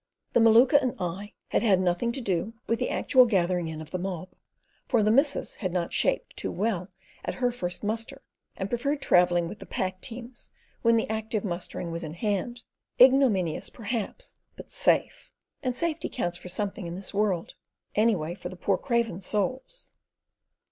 The Maluka and I had had nothing to do with the actual gathering in of the mob, for the missus had not "shaped" too well at her first muster and preferred travelling with the pack teams when active mustering was in hand. Ignominious perhaps, but safe, and safety counts for something in this world; anyway, for the poor craven souls.